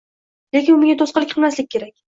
lekin bunga to'sqinlik qilmaslik kerak